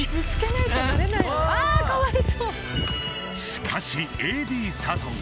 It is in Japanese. しかしＡＤ佐藤